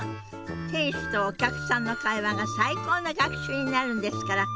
店主とお客さんの会話が最高の学習になるんですから。